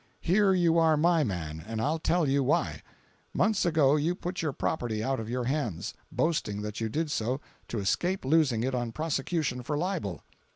Here you are my man, and I'll tell you why! Months ago you put your property out of your hands, boasting that you did so to escape losing it on prosecution for libel."